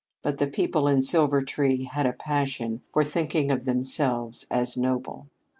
But the people in Silvertree had a passion for thinking of themselves as noble.